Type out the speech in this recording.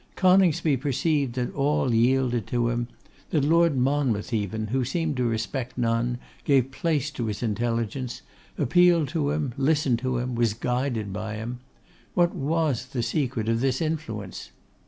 Coningsby perceived that all yielded to him; that Lord Monmouth even, who seemed to respect none, gave place to his intelligence; appealed to him, listened to him, was guided by him. What was the secret of this influence?